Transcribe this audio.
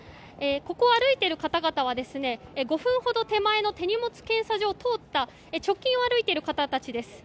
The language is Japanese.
ここを歩いている方々は５分ほど手前の手荷物検査場を通った直近を歩いている方たちです。